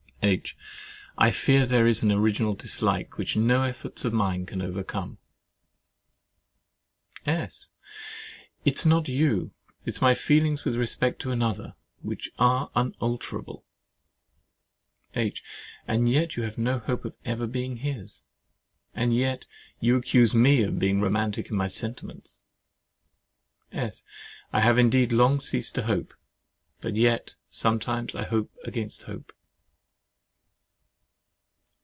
H. I fear there is an original dislike, which no efforts of mine can overcome. S. It is not you—it is my feelings with respect to another, which are unalterable. H. And yet you have no hope of ever being his? And yet you accuse me of being romantic in my sentiments. S. I have indeed long ceased to hope; but yet I sometimes hope against hope.